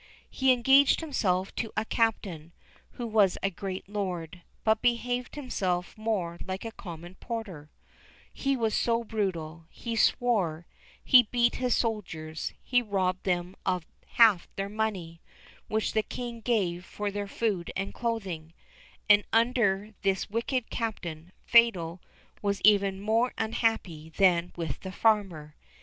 He engaged himself to a Captain who was a great lord, but behaved himself more like a common porter, he was so brutal; he swore, he beat his soldiers, he robbed them of half the money which the King gave for their food and clothing; and under this wicked Captain, Fatal was even more unhappy than with the farmer.